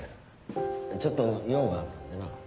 ちょっと用があったんでな。